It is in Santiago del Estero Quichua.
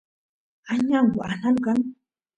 añangu aqnalu kan